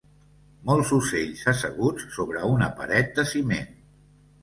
Molts ocells asseguts sobre una paret de ciment.